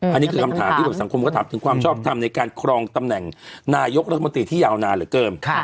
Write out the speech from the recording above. อันนี้คือคำถามที่แบบสังคมก็ถามถึงความชอบทำในการครองตำแหน่งนายกรัฐมนตรีที่ยาวนานเหลือเกิน